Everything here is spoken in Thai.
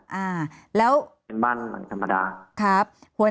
เป็นบ้านหลังธรรมดา